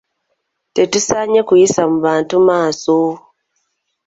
Tetusaanye kuyisa mu bantu maaso.